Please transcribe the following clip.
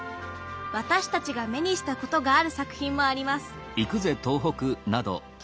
私たちが目にしたことがある作品もあります